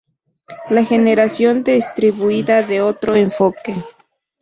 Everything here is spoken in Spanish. La generación distribuida da otro enfoque.